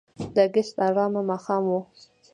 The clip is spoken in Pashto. د اګست آرامه ماښام و.